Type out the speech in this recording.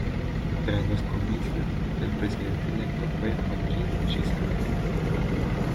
Tras los comicios, el presidente electo fue Joaquim Chissano.